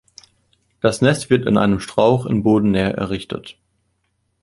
Das Nest wird in einem Strauch in Bodennähe errichtet.